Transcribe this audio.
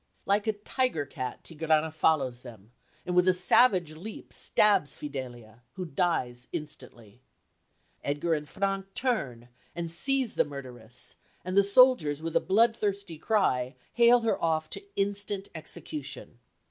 Like a tiger cat, Tigrana follows them, and with a savage leap stabs Fidelia, who dies instantly. Edgar and Frank turn and seize the murderess, and the soldiers, with a bloodthirsty cry, hale her off to instant execution.